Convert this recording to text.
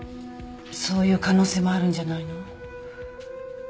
そういう可能性もあるんじゃないの。